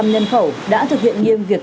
hai mươi năm nhân khẩu đã thực hiện nghiêm việc